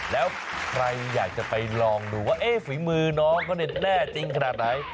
แล้วใครอยากจะไปลองดูว่าเอ๊ะฝีมือน้องก็แน่จริงขนาดไหน